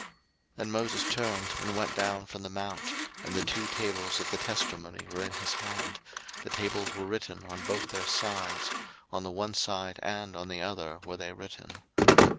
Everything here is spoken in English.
02:032:015 And Moses turned, and went down from the mount, and the two tables of the testimony were in his hand: the tables were written on both their sides; on the one side and on the other were they written.